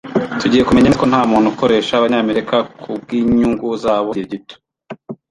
Tugiye kumenya neza ko ntamuntu ukoresha Abanyamerika kubwinyungu zabo z'igihe gito